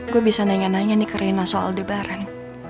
gue bisa nanya nanya nih ke rena soal debaran